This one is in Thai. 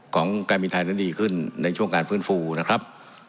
ของการมีธรรมดีขึ้นในช่วงการฟื้นฟูนะครับ